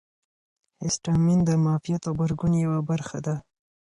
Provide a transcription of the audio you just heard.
هسټامین د معافیت غبرګون یوه برخه ده.